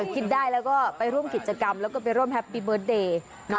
คิดได้แล้วก็ไปร่วมกิจกรรมแล้วก็ไปร่วมแฮปปี้เบิร์ตเดย์